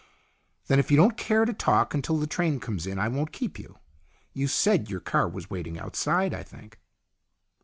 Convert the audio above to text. " Then, if you don't care to talk until the train comes in, I won't keep you. You said your car was waiting outside, I think."